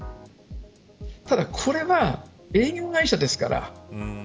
ただ、これは営業会社ですから。